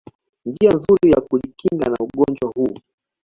njia nzuri ya kujikinga na ugonjwa huu